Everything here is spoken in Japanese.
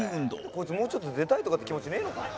「こいつもうちょっと出たいとかって気持ちねえのか？」